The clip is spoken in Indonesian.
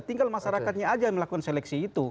tinggal masyarakatnya aja yang melakukan seleksi itu